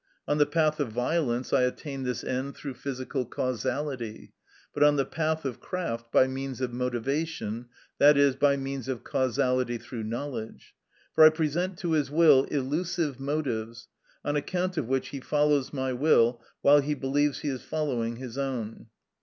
On the path of violence I attain this end through physical causality, but on the path of craft by means of motivation, i.e., by means of causality through knowledge; for I present to his will illusive motives, on account of which he follows my will, while he believes he is following his own.